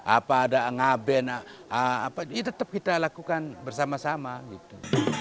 apa ada ngaben apa ya tetap kita lakukan bersama sama gitu